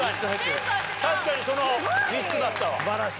確かにその３つだったわ。